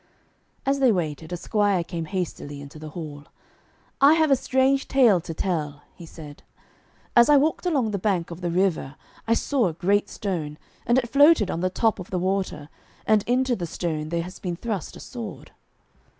As they waited a squire came hastily into the hall. 'I have a strange tale to tell,' he said. 'As I walked along the bank of the river I saw a great stone, and it floated on the top of the water, and into the stone there has been thrust a sword.'